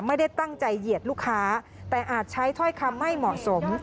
ไม่ได้ตั้งใจเหยียดลูกค้าแต่อาจใช้ถ้อยคำไม่เหมาะสม